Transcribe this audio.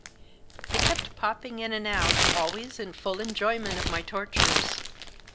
They kept popping in and out, always in full enjoyment of my tortures.